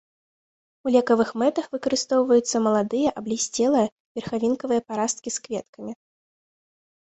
У лекавых мэтах выкарыстоўваюцца маладыя аблісцелыя верхавінкавыя парасткі з кветкамі.